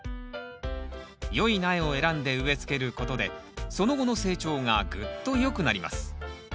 良い苗を選んで植えつけることでその後の成長がぐっと良くなります。